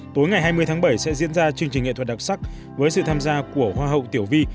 tối ngày hai mươi tháng bảy sẽ diễn ra chương trình nghệ thuật đặc sắc với sự tham gia của hoa hậu tiểu vi